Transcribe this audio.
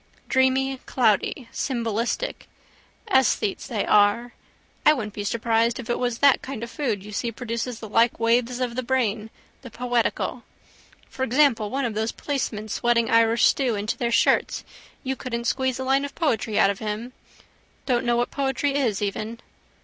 Dreamy, cloudy, symbolistic. Esthetes they are. I wouldn't be surprised if it was that kind of food you see produces the like waves of the brain the poetical. For example one of those policemen sweating Irish stew into their shirts you couldn't squeeze a line of poetry out of him. Don't know what poetry is even.